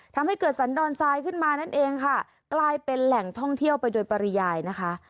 ทำให้เกิดสันดอนทรายขึ้นมานั่นเองค่ะกลายเป็นแหล่งท่องเที่ยวไปโดยปริยายนะคะ